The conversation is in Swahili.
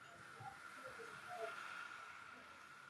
Malawi, Jamhuri ya Kidemokrasia ya Kongo na Afrika kusini.